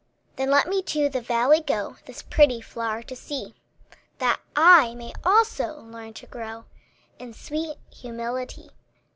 Then let me to the valley go, This pretty flower to see, That I may also learn to grow In sweet humility.